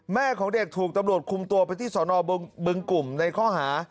แม่ของเด็กถูกตำรวจคุมตัวไปที่สนบึงกลุ่มในข้อหา